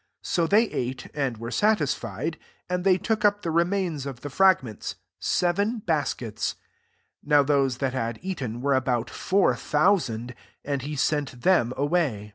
] 8 So th«| ate, and were satisfied : and th<a took up the remains of the fn^ ments, seven baskets. 9 Novf tthQMC that had eaten] were abo^t >ur thousand: and he seiM them away.